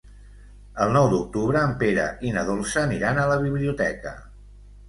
El nou d'octubre en Pere i na Dolça aniran a la biblioteca.